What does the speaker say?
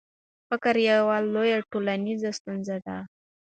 فقر یوه لویه ټولنیزه ستونزه ده.